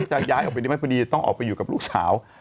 จะย้ายออกไปได้ไหมพอดีจะต้องออกไปอยู่กับลูกสาว